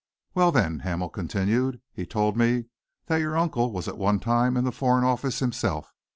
"Well, then," Hamel continued, "he told me that your uncle was at one time in the Foreign Office himself.